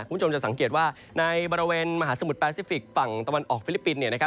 คุณผู้ชมจะสังเกตว่าในบริเวณมหาสมุทรแปซิฟิกฝั่งตะวันออกฟิลิปปินส์